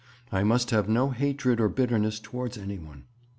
I must have no hatred or bitterness towards any one.'